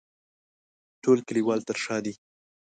ټول کلیوال تر شا دي.